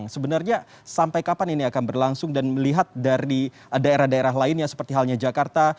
sebenarnya sampai kapan ini akan berlangsung dan melihat dari daerah daerah lainnya seperti halnya jakarta